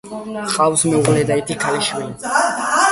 ჰყავს მეუღლე და ერთი ქალიშვილი.